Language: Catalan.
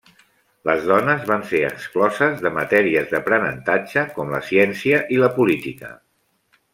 Les dones van ser excloses de matèries d'aprenentatge com la ciència i la política.